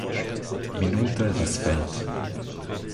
Minute das Feld.